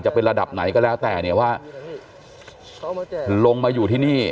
จะเป็นระดับไหนก็แล้วแต่เนี่ยว่าลงมาอยู่ที่นี่